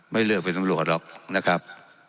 ไม่เลือกเป็นตำรวจหรอกนะครับ